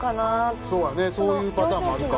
そうやねそういうパターンもあるか。